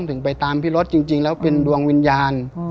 ถึงไปตามพี่รถจริงแล้วเป็นดวงวิญญาณ